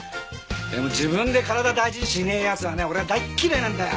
でも自分で体大事にしねえ奴はね俺は大嫌いなんだよ。